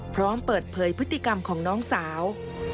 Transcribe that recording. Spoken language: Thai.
พร้อมเปิดเผยพฤติกรรมของน้องสาว